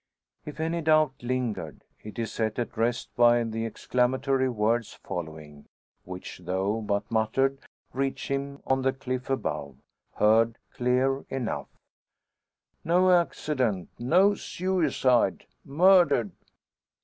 If any doubt lingered, it is set at rest by the exclamatory words following, which, though but muttered, reach him on the cliff above, heard clear enough "No accident no suicide murdered!"